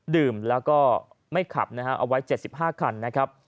ดื่มแล้วก็ไม่ขับนะฮะเอาไว้๗๕คันนะครับ